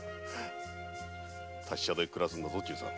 達者で暮らすんだぞ忠さん。